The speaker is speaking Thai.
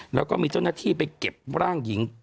แต่ที่มีเจ้านักทีไปเก็บล่างหญิง